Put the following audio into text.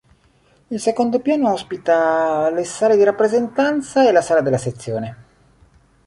Il secondo piano ospita le sale di rappresentanza e la sala della sezione.